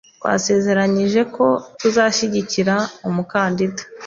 Twasezeranyije ko tuzashyigikira umukandida .